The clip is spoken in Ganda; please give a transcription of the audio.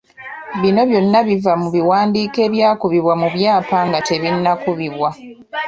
Bino byonna biva mu biwandiiko ebyakubibwa mu byapa nga tebinnakubibwa.